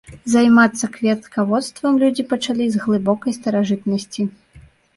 Займацца кветкаводствам людзі пачалі в глыбокай старажытнасці.